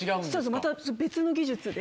また別の技術で。